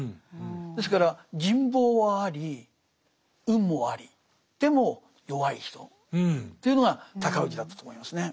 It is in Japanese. ですから人望はあり運もありでも弱い人というのが尊氏だったと思いますね。